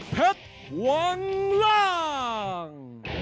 เพชรวงรัง